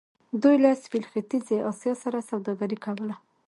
دوی له سویل ختیځې اسیا سره سوداګري کوله.